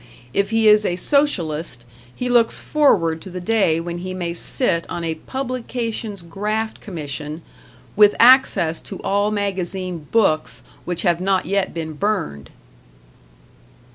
If he is a Socialist, he looks forward to the day when he may sit on a Publications' Graft Commission, with access to all magazine books which have not yet been burned!